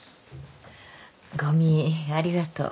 ごみありがとう。